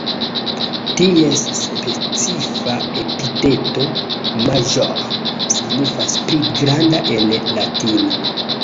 Ties specifa epiteto "major", signifas "pli granda" en latina.